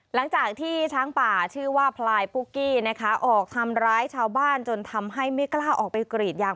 หลังจากที่ช้างป่าชื่อว่าพลายปุ๊กกี้นะคะออกทำร้ายชาวบ้านจนทำให้ไม่กล้าออกไปกรีดยาง